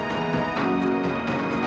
itu sudah cukup